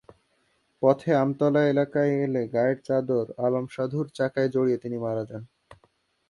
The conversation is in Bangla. পথে আমতলা এলাকায় এলে গায়ের চাদর আলমসাধুর চাকায় জড়িয়ে তিনি মারা যান।